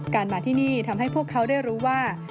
มาที่นี่ทำให้พวกเขาได้รู้ว่า